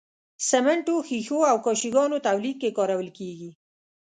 سمنټو، ښيښو او کاشي ګانو تولید کې کارول کیږي.